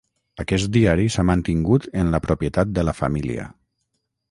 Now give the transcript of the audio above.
Aquest diari s'ha mantingut en la propietat de la família.